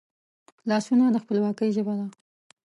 لاسونه د خپلواکي ژبه ده